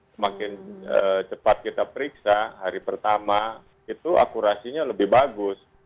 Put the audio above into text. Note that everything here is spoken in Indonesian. semakin cepat kita periksa hari pertama itu akurasinya lebih bagus